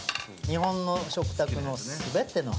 日本の食卓の全ての。